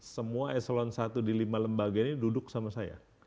semua eselon satu di lima lembaga ini duduk sama saya